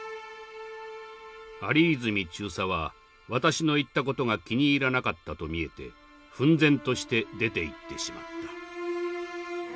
「有泉中佐は私の言ったことが気に入らなかったと見えて憤然として出ていってしまった。